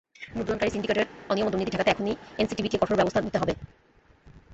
মুদ্রণকারী সিন্ডিকেটের অনিয়ম ও দুর্নীতি ঠেকাতে এখনই এনসিটিবিকে কঠোর ব্যবস্থা নিতে হবে।